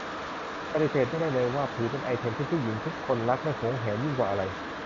ปฏิเสธไม่ได้เลยว่า ถือเป็นไอเทมที่ผู้หญิงทุกคนรักและหวงแหนยิ่งกว่าอะไร